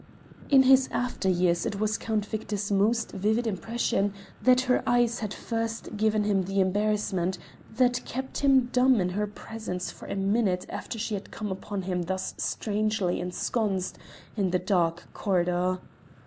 In his after years it was Count Victor's most vivid impression that her eyes had first given him the embarrassment that kept him dumb in her presence for a minute after she had come upon him thus strangely ensconced in the dark corridor.